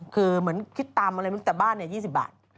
คือเหมือนคิดตามอะไรตั้งแต่บ้าน๒๐บาท